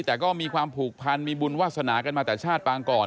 แต่ก็มีความผูกพันมีบุญวาสนากันมาแต่ชาติปางก่อน